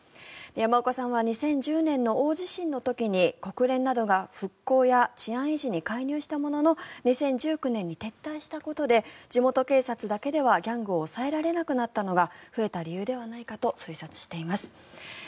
山岡さんは２０１０年の大地震の時に国連などが復興や治安維持に介入したものの２０１９年に撤退したことで地元警察だけではギャングを抑えられなくなったのが増えた理由ではないかと推察しています。